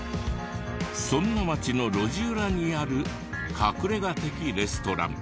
そんな街の路地裏にある隠れ家的レストラン。